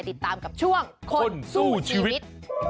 ติดตามกับช่วงคนสู้ชีวิต